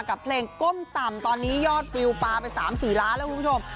กับเพลงก้มต่ำตอนนี้ยอดวิวปลาไป๓๔ล้านแล้วคุณผู้ชม